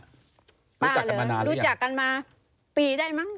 ป้าเหรอรู้จักกันมานานหรือยังรู้จักกันมาปีได้มั้ง